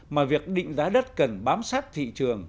mà việc định giá đất cần bám sát thị trường